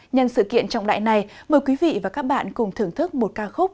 nhân sự kiện trọng đại này mời quý vị và các bạn cùng thưởng thức một ca khúc